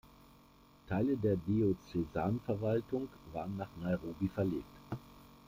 Teile der Diözesanverwaltung waren nach Nairobi verlegt.